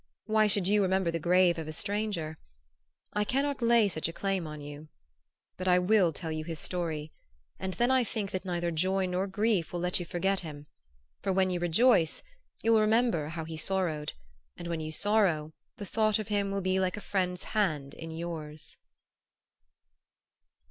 Why should you remember the grave of a stranger? I cannot lay such a claim on you. But I will tell you his story and then I think that neither joy nor grief will let you forget him; for when you rejoice you will remember how he sorrowed; and when you sorrow the thought of him will be like a friend's hand in yours."